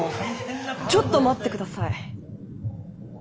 ちょっと待って下さい。